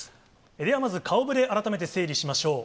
ではまず、顔ぶれ、改めて整理しましょう。